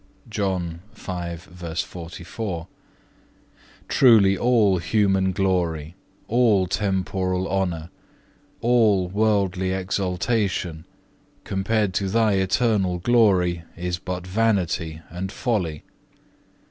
(3) Truly all human glory, all temporal honour, all worldly exultation, compared to Thy eternal glory, is but vanity and folly.